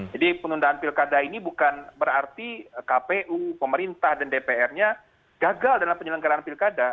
jadi penundaan pilkada ini bukan berarti kpu pemerintah dan dpr nya gagal dalam penyelenggaraan pilkada